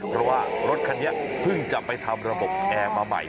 เพราะว่ารถคันนี้เพิ่งจะไปทำระบบแอร์มาใหม่